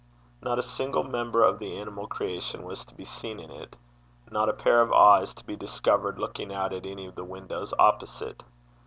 Not a single member of the animal creation was to be seen in it, not a pair of eyes to be discovered looking out at any of the windows opposite.